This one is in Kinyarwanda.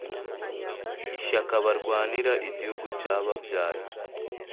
ishyaka barwanira igihugu cyababyaye